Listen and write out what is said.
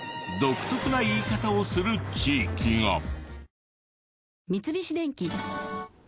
独特な言い方をする地域が。